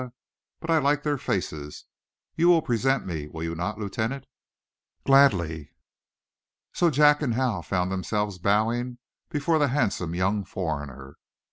"But I like their faces. You will present me, will you not, Lieutenant?" "Gladly." So Jack and Hal found themselves bowing before the handsome young foreigner.